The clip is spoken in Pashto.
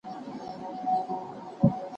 دغه مفهوم د پیوستون په معنی دی.